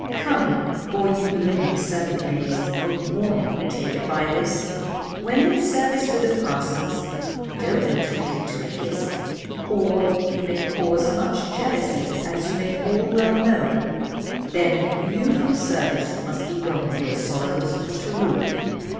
Come all you blooming servant maids a warning take by this, When in service with the parsons don't be treated to a kiss; Or it may cause much jealousy, as you may all well know, Then you from service must be gone your sorrows for to rue.